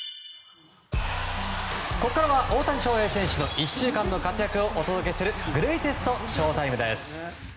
ここからは大谷翔平選手の１週間の活躍をお伝えするグレイテストＳＨＯ‐ＴＩＭＥ。